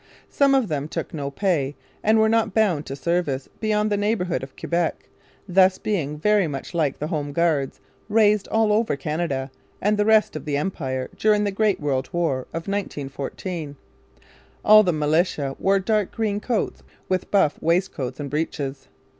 Some of them took no pay and were not bound to service beyond the neighbourhood of Quebec, thus being very much like the Home Guards raised all over Canada and the rest of the Empire during the Great World War of 1914. All the militia wore dark green coats with buff waistcoats and breeches.